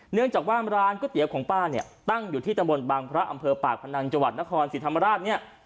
เนื่องจากว่าร้านก๋วยเตี๋ยวของป้าเนี่ยตั้งอยู่ที่ตำบลบังพระอำเภอปากพนังจังหวัดนครศรีธรรมราชเนี่ย